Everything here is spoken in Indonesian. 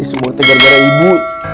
ini semua tegar garah ibu